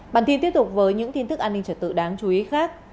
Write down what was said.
bản tin tiếp tục với những tin tức an ninh trở tự đáng chú ý khác